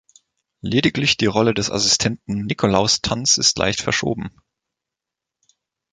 Lediglich die Rolle des Assistenten Nikolaus Tanz ist leicht verschoben.